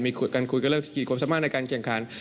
มีการคุยกันก็เริ่มขีดควบสมัครในการเกี่ยงขาล